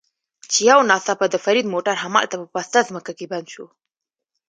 چې یو ناڅاپه د فرید موټر همالته په پسته ځمکه کې بند شو.